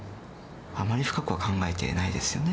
あまり深くは考えてないですよね、